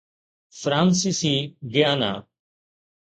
فرانسيسي گيانا